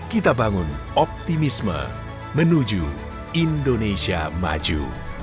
kita bangun optimisme menuju indonesia maju